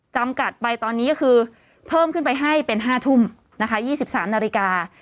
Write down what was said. จำกัดไปตอนนี้ก็คือเพิ่มขึ้นไปให้เป็น๕ทุ่มนะคะ๒๓นาฬิกา